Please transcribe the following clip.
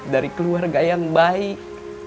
dari keluarga yang baik